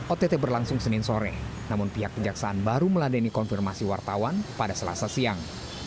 ott berlangsung senin sore namun pihak kejaksaan baru meladeni konfirmasi wartawan pada selasa siang